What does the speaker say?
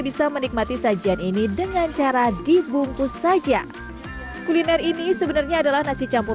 bisa menikmati sajian ini dengan cara dibungkus saja kuliner ini sebenarnya adalah nasi campur